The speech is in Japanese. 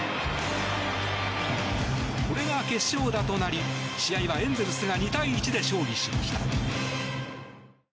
これが決勝打となり試合はエンゼルスが２対１で勝利しました。